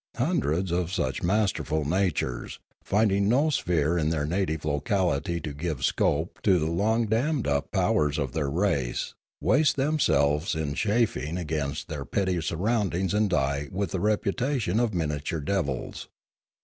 Hun dreds of such masterful natures, finding no sphere in their native locality to give scope to the long dammed up powers of their race, waste themselves in chafing Choktroo 201 against their petty surroundings and die with the reputation of miniature devils.